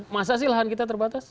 masa sih lahan kita terbatas